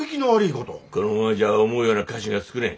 このままじゃ思うような菓子が作れん。